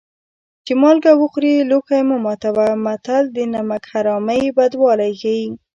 چې مالګه وخورې لوښی مه ماتوه متل د نمک حرامۍ بدوالی ښيي